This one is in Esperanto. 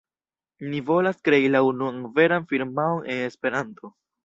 Ni volas krei la unuan veran firmaon en Esperanto.